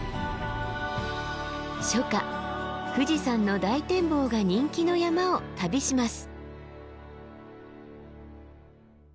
初夏富士山の大展望が人気の山を旅します。